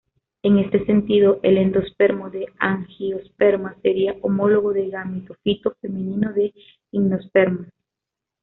En este sentido, el endospermo de angiospermas sería homólogo del gametófito femenino de gimnospermas.